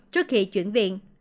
trước khi chuyển viện